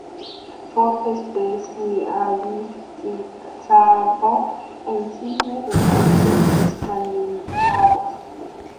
Foro especializado en Cine de los Países Escandinavos